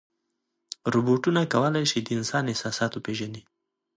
روبوټونه کولی شي د انسان احساسات وپېژني.